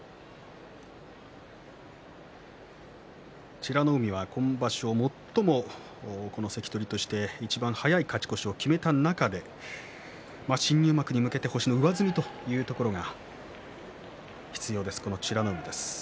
美ノ海は、今場所最も関取としていちばん早い勝ち越しを決めた中で新入幕へ向けて星の上積みというところが必要です、美ノ海。